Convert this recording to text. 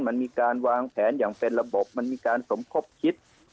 มันมีการวางแผนอย่างเป็นระบบมันมีการสมคบคิด